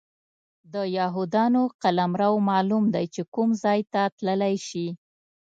د یهودانو قلمرو معلوم دی چې کوم ځای ته تللی شي.